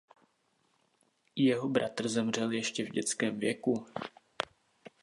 Jeho bratr zemřel ještě v dětském věku.